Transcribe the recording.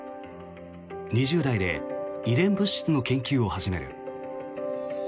２０代で遺伝物質の研究を始める。